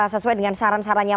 sesuai dengan saran sarannya